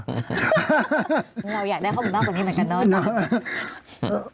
เราอยากได้ข้อมูลมากกว่านี้เหมือนกันเนาะ